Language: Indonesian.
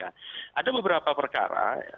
ada beberapa perkara